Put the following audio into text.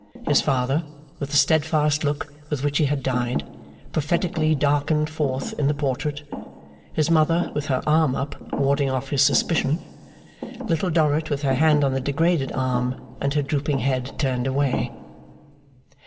His father, with the steadfast look with which he had died, prophetically darkened forth in the portrait; his mother, with her arm up, warding off his suspicion; Little Dorrit, with her hand on the degraded arm, and her drooping head turned away.